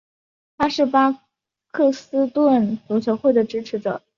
他是巴克斯顿足球会的支持者。